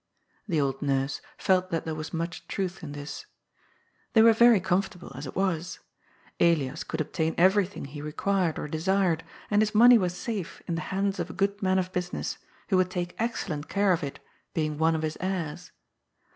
The old nurse felt that there was much truth in this. They were very comfortable, as it was; Elias could obtain eirerything he required or desired, and his money was safe in the hands of a good man of business, who would take excellent care of it, being one of his heirs.